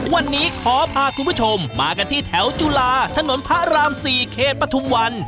วันนี้ขอพาคุณผู้ชมมากันที่แถวจุฬาถนนพระราม๔เขตปฐุมวัน